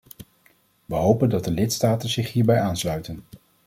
We hopen dat de lidstaten zich hierbij aansluiten.